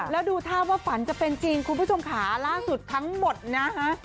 แล้วดูท่าว่าฝันจะเป็นจริงคุณผู้ชมค่ะล่าสุดทั้งหมดนะฮะ